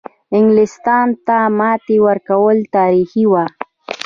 انګلیستان ته ماتې ورکول تاریخي وه.